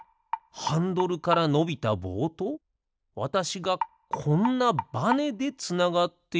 ハンドルからのびたぼうとわたしがこんなバネでつながっているだけ？